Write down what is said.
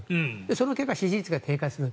その結果、支持率が低下する。